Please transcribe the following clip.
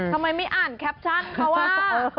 ทำไมไม่อ่านแคปชั่นเขาอ่ะ